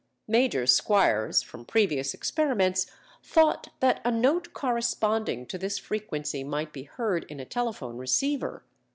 Major Squiers, from previous experiments, thought that a note corresponding to this frequency might be heard in a telephone receiver.